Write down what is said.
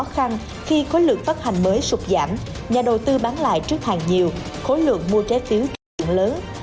khi khối lượng phát hành mới sụt giảm nhà đầu tư bán lại trước hàng nhiều khối lượng mua trái phiếu tăng trưởng lớn